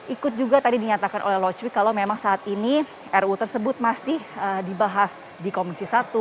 ikut juga tadi dinyatakan oleh locwi kalau memang saat ini ruu tersebut masih dibahas di komisi satu